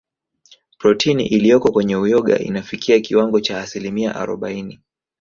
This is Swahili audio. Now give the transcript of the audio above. Protini iliyoko kwenye Uyoga inafikia kiwango cha asilimia arobaini